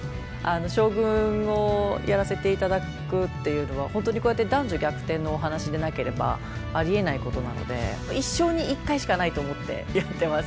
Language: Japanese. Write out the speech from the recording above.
将軍をやらせて頂くっていうのは本当にこうやって男女逆転のお話でなければありえないことなので一生に一回しかないと思ってやってます。